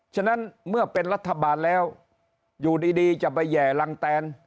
ฉะนั้นเมื่อเป็นรัฐบาลแล้วอยู่ดีจะไปแห่รังแตน